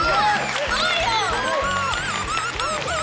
すごいよ！